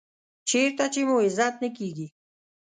چېرته چې مو عزت نه کېږي .